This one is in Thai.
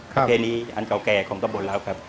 ประเพณีอันเก่าแก่ของตบลรักษ์ครับ